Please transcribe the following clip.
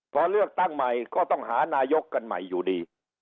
พอเลือกตั้งใหม่ก็ต้องหานายกกันใหม่อยู่ดี